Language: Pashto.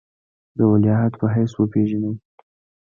د ولیعهد په حیث وپېژني.